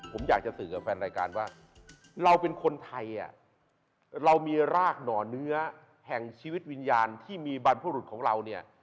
ผมอยากจะสื่อกับแฟนรายการว่าเราเป็นคนไทยเรามีรากหน่อเนื้อแห่งชีวิตวิญญาณที่มีบรรพบุรุษของเราเนี่ย